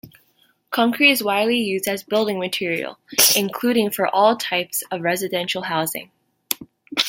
Concrete is widely used as building material, including for all types of residential housing.